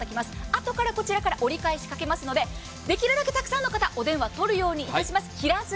後からこちらから折り返しかけますのでできるだけ沢山の方お電話取るようにいたします。